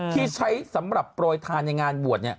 ที่ใช้สำหรับโปรยทานในงานบวช